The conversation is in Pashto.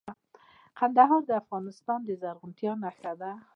کندهار د افغانستان د زرغونتیا نښه ده.